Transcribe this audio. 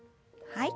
はい。